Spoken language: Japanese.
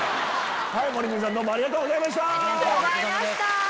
モリクミさんどうもありがとうございました。